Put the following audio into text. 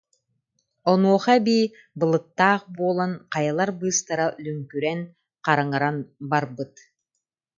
Онуоха эбии, былыттаах буолан, хайалар быыстара лүҥкүрэн, хараҥаран барбыт